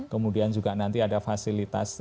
kemudian juga nanti ada fasilitas